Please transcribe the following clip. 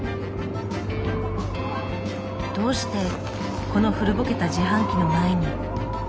どうしてこの古ぼけた自販機の前に人が集まるのか。